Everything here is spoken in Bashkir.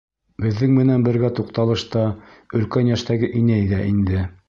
Беҙҙең менән бергә туҡталышта өлкән йәштәге инәй ҙә инде.